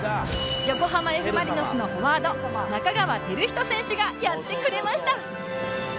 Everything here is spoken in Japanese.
横浜・ Ｆ ・マリノスのフォワード仲川輝人選手がやってくれました！